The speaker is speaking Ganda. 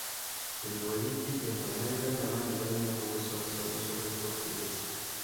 Bino we bijjidde nga bannayuganda bangi balina okubuusabuusa mu busobozi bwa poliisi.